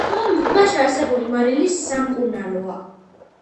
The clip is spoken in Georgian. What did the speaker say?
ტბაში არსებული მარილი სამკურნალოა.